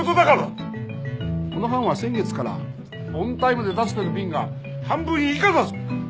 この班は先月からオンタイムで出してる便が半分以下だぞ！